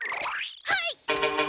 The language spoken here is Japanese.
はい！